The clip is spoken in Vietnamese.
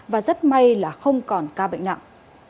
và rất may là không còn ca bệnh nặng